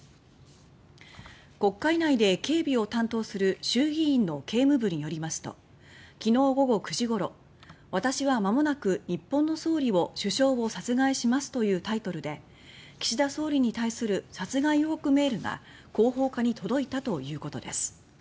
国会内で警備を担当する衆議院の警務部によりますと昨日午後９時ごろ「私は間もなく日本の首相を殺害します！」というタイトルで岸田総理に対する殺害予告メールが広報課に届いたということです。